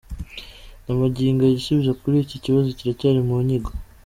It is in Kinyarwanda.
Na magingo aya igisubizo kuri iki kibazo kiracyari mu nyigo.